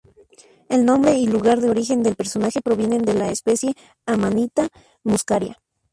El nombre y lugar de origen del personaje provienen de la especie "Amanita muscaria".